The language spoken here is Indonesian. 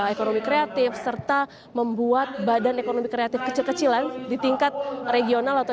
ekonomi kreatif serta membuat badan ekonomi kreatif kecil kecilan di tingkat regional atau